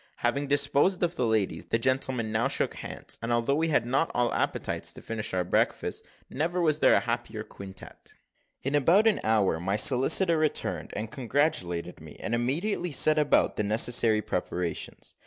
Having disposed of the ladies, the gentlemen now shook hands, and although we had not all appetites to finish our breakfasts, never was there a happier quintette. In about an hour my solicitor returned, and congratulated me, and immediately set about the necessary preparations.